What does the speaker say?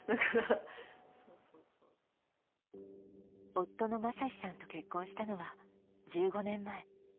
夫の雅司さんと結婚したのは１５年前。